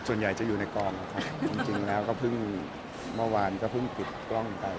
ส่วนใหญ่จะอยู่ในกองครับจริงแล้วก็เพิ่งเมื่อวานก็เพิ่งปิดกล้องไป